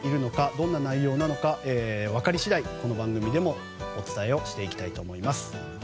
どんな内容なのか、分かり次第この番組でもお伝えをしていきたいと思います。